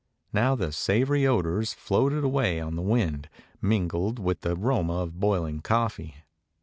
Now the savory odors floated away on the wind, min gled with the aroma of boiling coffee.